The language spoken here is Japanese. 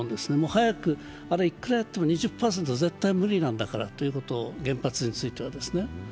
早く、いくらやっても２０％は無理なんだからと、原発についてはですね。